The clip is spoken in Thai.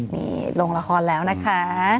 นี่ลงละครแล้วนะคะ